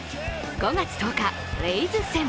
５月１０日、レイズ戦。